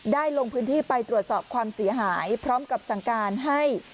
ลงพื้นที่ไปตรวจสอบความเสียหายพร้อมกับสั่งการให้